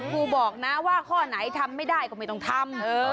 ครูบอกนะว่าข้อไหนทำไม่ได้ก็ไม่ต้องทำ